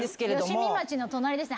吉見町の隣ですね。